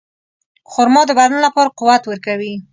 خرما د بدن لپاره قوت ورکوي.